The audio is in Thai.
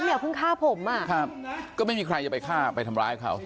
อย่าเพิ่งฆ่าผมอ่ะครับก็ไม่มีใครจะไปฆ่าไปทำร้ายเขา